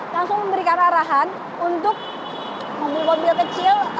langsung memberikan arahan untuk mobil mobil kecil